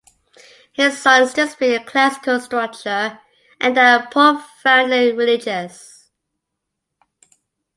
His sonnets display a classical structure, and are profoundly religious.